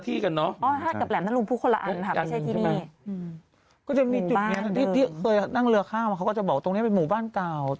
ที่เกิดนี้เมื่อก่อนที่เขาเคยเอามาทำหนังที่แบบว่า